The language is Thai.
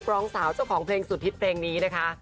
รองสาวเจ้าของเพลงสุดฮิตเพลงนี้นะคะ